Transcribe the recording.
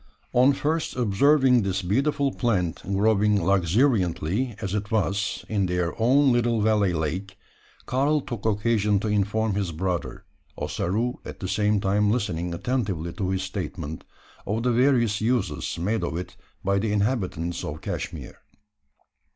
On first observing this beautiful plant growing luxuriantly, as it was, in their own little valley lake, Karl took occasion to inform his brother Ossaroo at the same time listening attentively to his statement of the various uses made of it by the inhabitants of Cashmeer.